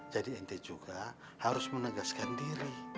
jadi ente juga harus menegaskan diri